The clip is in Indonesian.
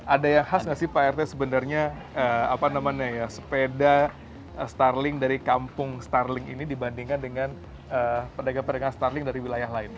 ada yang khas nggak sih pak rt sebenarnya sepeda starling dari kampung starling ini dibandingkan dengan pedagang pedagang starling dari wilayah lain